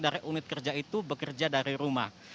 dari unit kerja itu bekerja dari rumah